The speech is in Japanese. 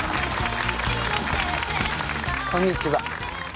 こんにちは。